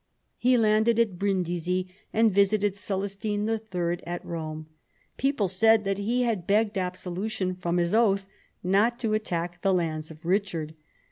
He landed at Brindisi, and visited Celestine III. at Rome. Men said that he had begged absolution from his oath not to attack the lands of Richard.